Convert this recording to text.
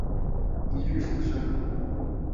一日浮生